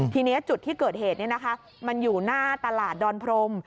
ทีนี้จุดที่เกิดเหตุมันอยู่หน้าตลาดดอนพรม